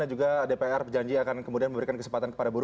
dan juga dpr berjanji akan kemudian memberikan kesempatan kepada buru